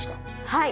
はい。